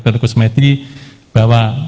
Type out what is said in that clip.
dr kusmeti bahwa